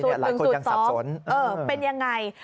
สูตร๑สูตร๒เป็นยังไง